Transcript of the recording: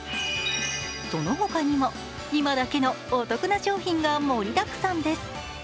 その他にも、今だけのお得な商品が盛りだくさんです。